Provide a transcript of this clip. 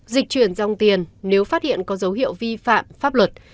dịch chuyển dòng tiền nếu phát hiện có dấu hiệu vi phạm pháp luật